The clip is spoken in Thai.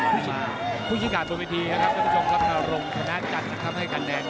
คุณผู้ชิงขาดตัวบิทีนะครับคุณผู้ชมครับทางโรงธนาจันทร์ทำให้กันแหน่ง